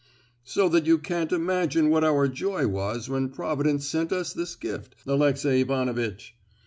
So that you can't imagine what our joy was when Providence sent us this gift, Alexey Ivanovitch!